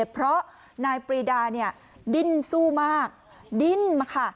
เพราะนายปรีดาดิ้นสู้มากดิ้นมาค่ะ